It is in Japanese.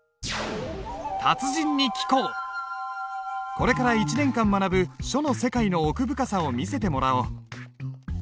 これから１年間学ぶ書の世界の奥深さを見せてもらおう。